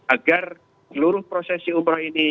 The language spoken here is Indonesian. agar seluruh prosesi umroh ini